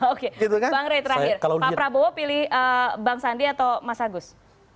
oke bang rey terakhir pak prabowo pilih bang sandi atau mas agus